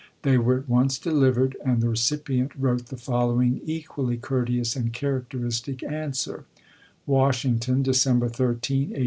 They were at once delivered, and the recipient wrote the following equally courteous and characteristic answer : Washington, December 13, 1860.